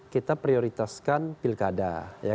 kita prioritaskan pilkada